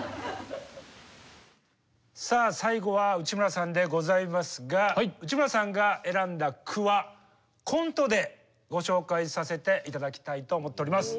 さあ最後は内村さんでございますが内村さんが選んだ句はコントでご紹介させていただきたいと思っております。